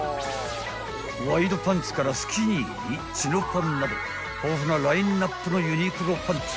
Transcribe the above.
［ワイドパンツからスキニーにチノパンなど豊富なラインナップのユニクロパンツ］